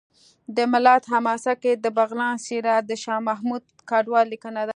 د ملت حماسه کې د بغلان څېره د شاه محمود کډوال لیکنه ده